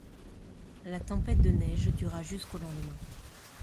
La tempête de neige dura jusqu’au lendemain.